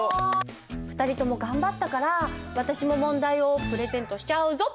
２人とも頑張ったから私も問題をプレゼントしちゃうぞ。